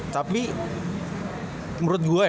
tapi menurut gue ya